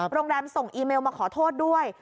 โรงแรมส่งอีเมลมาขอโทษด้วย